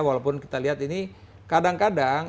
walaupun kita lihat ini kadang kadang